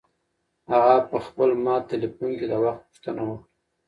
هغه په خپل مات تلیفون کې د وخت پوښتنه وکړه.